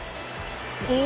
お！